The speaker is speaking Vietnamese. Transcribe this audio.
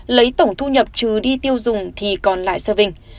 lấy tổng thu nhập trừ đi tiêu dùng thì còn lại serving